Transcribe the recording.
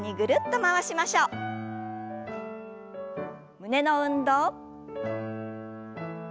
胸の運動。